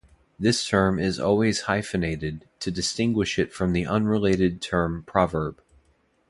This term is always hyphenated, to distinguish it from the unrelated term proverb.